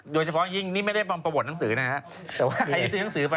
โดยเฉพาะยิ่งนี่ไม่ได้ประบวนหนังสือนะฮะ